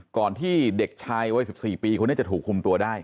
ก่อนที่เด็กชายวัย๑๔ปีคนนี้จะถูกคุมตัวได้